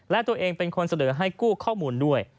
และตัวเองเป็นคนเสนอให้กู้ข้อมูลด้วย